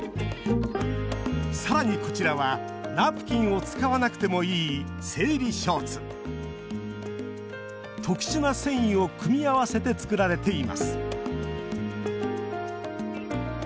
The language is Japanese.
さらにこちらはナプキンを使わなくてもいい特殊な繊維を組み合わせて作られています